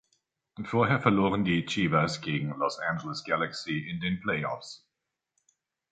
Vorher verloren die Chivas gegen Los Angeles Galaxy in den Play-offs.